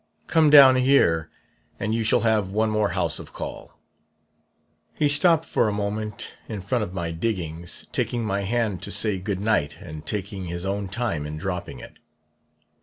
Come down here, and you shall have one more house of call. "He stopped for a moment in front of my diggings, taking my hand to say goodnight and taking his own time in dropping it.